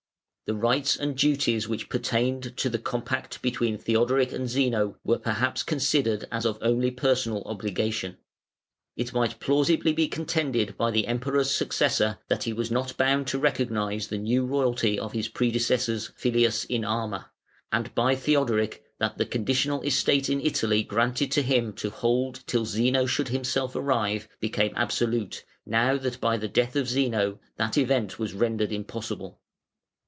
The rights and duties which pertained to the compact between Theodoric and Zeno were perhaps considered as of only personal obligation. It might plausibly be contended by the Emperor's successor that he was not bound to recognise the new royalty of his predecessor's, "filius in arma", and by Theodoric that the conditional estate in Italy granted to him to hold "till Zeno should himself arrive" became absolute, now that by the death of Zeno that event was rendered impossible.